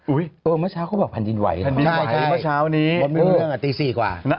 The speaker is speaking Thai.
อุ้ยเออเมื่อเช้าเขาบอกแผ่นดินไหวแผ่นดินไหวใช่เมื่อเช้านี้มันเป็นเรื่องอ่ะตี๔กว่า